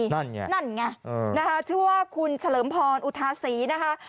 นั่นไงชื่อว่าคุณเฉลิมพรอุทาศีนะฮะ